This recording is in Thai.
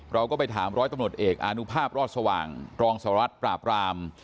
เราก็ไปถามร้อยตำรวจเอกอานุภาพรอดสว่างรองสหรัฐปราบราม